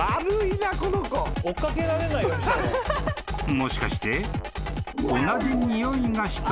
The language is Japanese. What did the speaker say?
［もしかして］